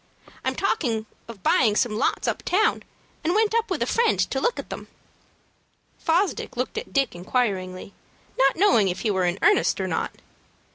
"I'm talking of buying some lots up town, and went up with a friend to look at them." Fosdick looked at Dick, inquiringly, not knowing if he were in earnest or not.